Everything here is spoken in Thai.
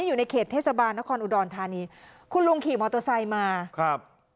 อยู่ในเขตเทศบาลนครอุดรธานีคุณลุงขี่มอเตอร์ไซค์มาครับ